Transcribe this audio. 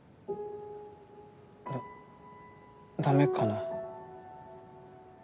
ダダメかな？